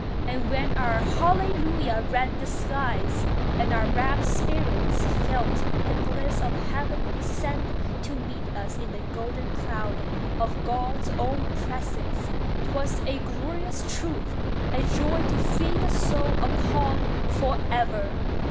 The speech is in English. And when our "Hallelujah" rent the skies, And our rapt spirits felt the bliss of heaven Descend to meet us in the golden cloud Of God's own presence, 'twas a glorious truth, A joy to feed the soul upon for ever!